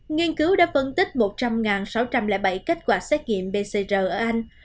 nghiên cứu đã phân tích một trăm linh sáu trăm linh bảy kết quả xét nghiệm pcr ở anh